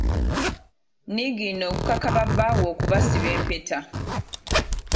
Niigiina okukaka babbaabwe okubasiba empeta.